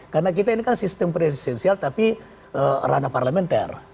karena kita ini kan sistem presensial tapi rana parlementer